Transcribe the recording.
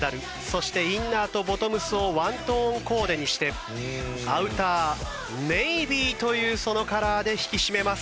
そしてインナーとボトムスをワントーンコーデにしてアウターネイビーというそのカラーで引き締めます。